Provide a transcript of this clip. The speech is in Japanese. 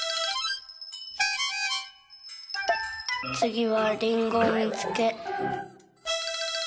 「つぎはリンゴをみつけ」。